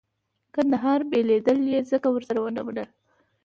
کندهار بېلېدل یې ځکه ورسره ونه منل.